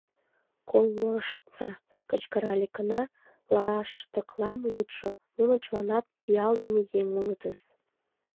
«Колыштса, — кычкырале кына лаштыклам лудшо, — нуно чыланат пиалдыме еҥ улытыс!»